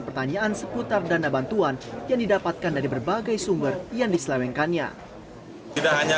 pertanyaan seputar dana bantuan yang didapatkan dari berbagai sumber yang diselewengkannya tidak hanya